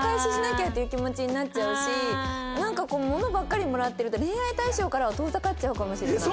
なんか物ばっかりもらってると恋愛対象からは遠ざかっちゃうかもしれない。